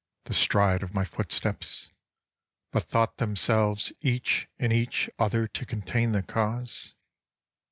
The stride of my footsteps, But thought themselves Each in each other to contain the cause.